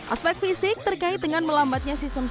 aspek fisik terkait dengan melambatnya sistem